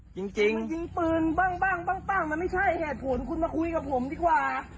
จริงจริงยิงปืนบ้างบ้างมันไม่ใช่เหตุผลคุณมาคุยกับผมดีกว่า